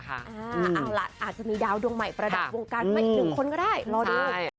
เอาล่ะอาจจะมีดาวดวงใหม่ประดับวงการมาอีกหนึ่งคนก็ได้รอดู